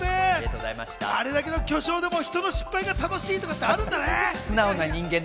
あれだけの巨匠でも人の失敗が楽しいんだね。